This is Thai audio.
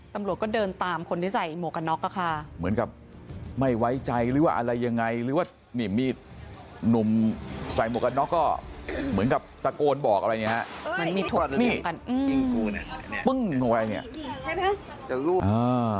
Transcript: ตำรวจก็เดินตามคนที่ใส่หมวกกันน๊อกล่ะค่ะเหมือนกับไม่ไว้ใจหรือว่าอะไรยังไงหรือว่านี่มีหนุ่มใส่หมวกกันน๊อกก็เหมือนกับตะโกนบอกอะไรเนี่ยฮะ